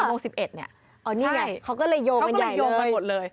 นี่ไงเขาก็เลยโยงกันใหญ่เลยเขาก็เลยโยงกันหมดเลยใช่